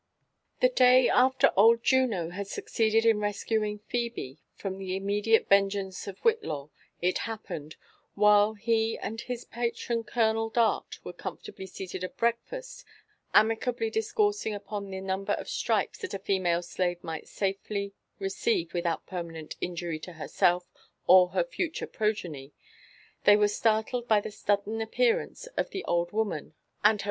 The day after old Juno had succeeded in rescuing Phebe from the immediate vengeance of Whillaw, t'l happened, while he and his pa tron Colonel Dart were comfortably seated at breakfast, amicably, discoursing upon the number of stripes that a female slave might safely receive without permanent injury to herself or her future progeny, they were startled by the sudden appearance of the old womaa and her JONATHAN JEFFERSON WfllTLAW.